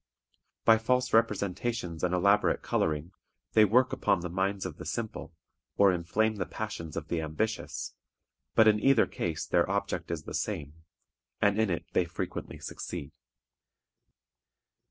By false representations and elaborate coloring, they work upon the minds of the simple, or inflame the passions of the ambitious, but in either case their object is the same, and in it they frequently succeed.